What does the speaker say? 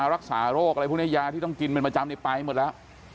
รักษาโรคอะไรพวกนี้ยาที่ต้องกินเป็นประจำไปหมดแล้ว